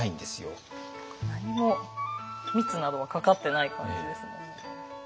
何も蜜などはかかってない感じですね。